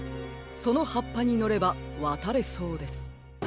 そのはっぱにのればわたれそうです。